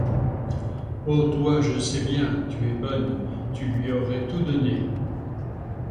Oh! toi, je sais bien, tu es bonne, tu lui aurais tout donné...